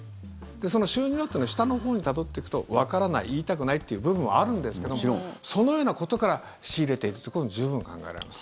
その収入は？っていうのは下のほうにたどっていくとわからない、言いたくないっていう部分もあるんですけどもそのようなことから仕入れているということも十分考えられます。